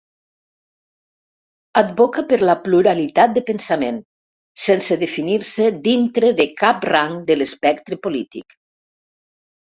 Advoca per la pluralitat de pensament, sense definir-se dintre de cap rang de l'espectre polític.